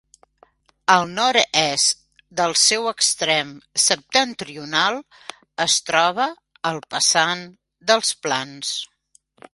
Al nord-est del seu extrem septentrional es troba el Passant dels Plans.